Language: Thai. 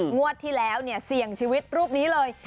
งวดที่แล้วเนี่ยเสี่ยงชีวิตรูปนี้เลย